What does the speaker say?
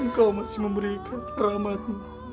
engkau masih memberikan rahmatmu